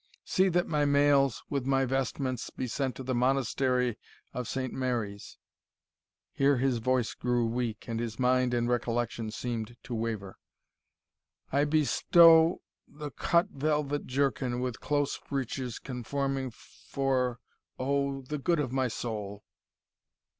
See that my mails, with my vestments, be sent to the Monastery of Saint Mary's" (here his voice grew weak, and his mind and recollection seemed to waver) "I bestow the cut velvet jerkin, with close breeches conforming for oh! the good of my soul."